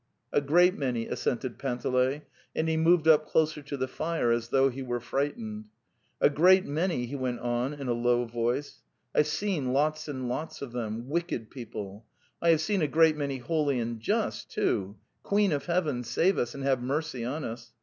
'"A great many,' assented Panteley, and he moved up closer to the fire as though he were fright ened. "A great many," he went on in a low voice. ' Pve seen lots and lots of them. ... Wicked peo ple! ... I have seen a great many holy and just, too. ... Queen of Heaven, save us and have mercy onus.